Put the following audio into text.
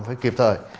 phải kịp thời